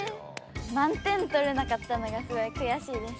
満点とれなかったのがすごいくやしいです。